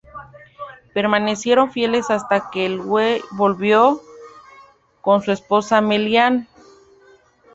Permanecieron fieles hasta que Elwë volvió con su esposa Melian.